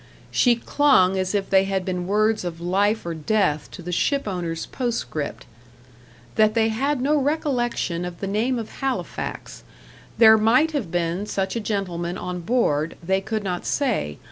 She clung as if they had been words of life or death to the ship owner's postscript "that they had no recollection of the name of Halifax; there might have been such a gentleman on board they could not say.